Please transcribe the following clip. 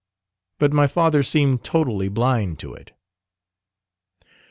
But my father seemed totally blind to it.